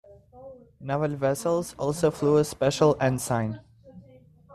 Naval vessels also flew a special ensign.